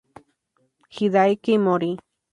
Hideaki Mori